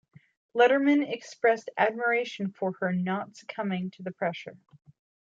Letterman expressed admiration for her not succumbing to the pressure.